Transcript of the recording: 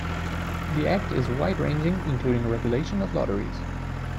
The act is wide-ranging including regulation of lotteries.